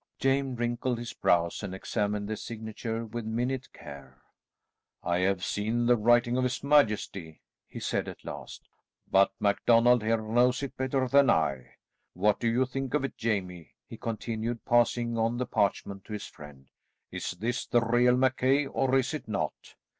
James wrinkled his brows and examined the signature with minute care. "I have seen the writing of his majesty," he said at last, "but MacDonald here knows it better than I. What do you think of it, Jamie?" he continued, passing on the parchment to his friend. "Is this the real Mackay, or is it not?"